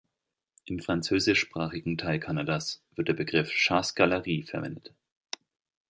Im französischsprachigen Teil Kanadas wird der Begriff "Chasse-galerie" verwendet.